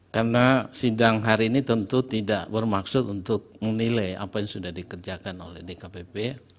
karena sidang hari ini tentu tidak bermaksud untuk menilai apa yang sudah dikerjakan oleh dkpp